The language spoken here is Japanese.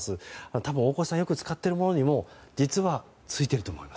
多分、大越さんよく使っているものにも実はついていると思います。